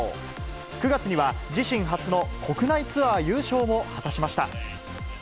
９月には、自身初の国内ツアー優勝を果たしました。